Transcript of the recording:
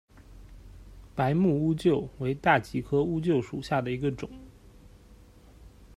白木乌桕为大戟科乌桕属下的一个种。